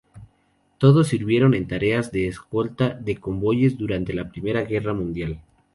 Todos sirvieron en tareas de escolta de convoyes durante la Primera Guerra Mundial.